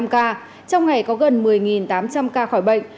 trong ngày có gần một mươi tám trăm linh ca khỏi bệnh